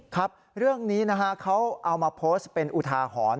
ครับเรื่องนี้นะฮะเขาเอามาโพสต์เป็นอุทาหรณ์